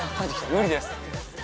無理です。